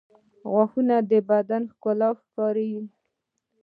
• غاښونه د بدن ښکلا ښيي.